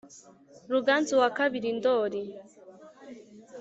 ruganzu wa kabiri ndoli